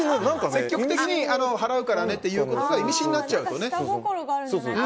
積極的に払うからねというのが意味深になっちゃうんだよね。